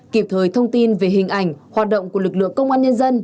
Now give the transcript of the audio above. kịp thời thông tin về hình ảnh hoạt động của lực lượng công an nhân dân